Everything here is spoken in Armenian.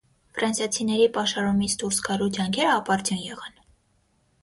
Ֆրանսիացիների պաշարումից դուրս գալու ջանքերը ապարդյուն եղան։